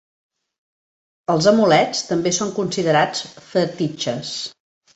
Els amulets també són considerats fetitxes.